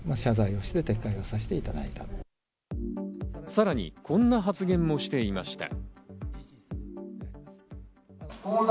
さらにこんな発言もしていました。